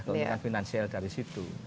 keuntungan finansial dari situ